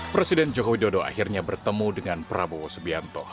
presiden joko widodo akhirnya bertemu dengan prabowo subianto